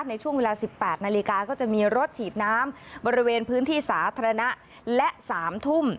ในช่วงเวลา๑๘นาฬิกาก็จะมีรถฉีดน้ำบริเวณพื้นที่สาธารณะและ๓ทุ่ม